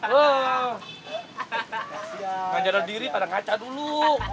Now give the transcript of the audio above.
nganjadar diri pada ngaca dulu